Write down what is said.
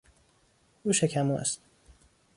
او شکمو است.